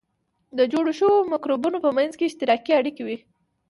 د جوړو شوو مرکبونو په منځ کې اشتراکي اړیکې وي.